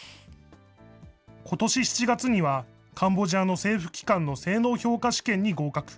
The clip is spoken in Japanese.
ことし７月にはカンボジアの政府機関の性能評価試験に合格。